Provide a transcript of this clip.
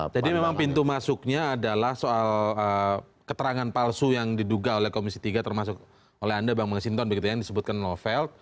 jadi memang pintu masuknya adalah soal keterangan palsu yang diduga oleh komisi tiga termasuk oleh anda bang mengesinton begitu ya yang disebutkan novel